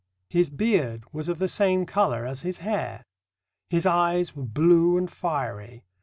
His beard was of the same colour as his hair. His eyes were blue and fiery.